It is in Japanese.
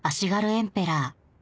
エンペラー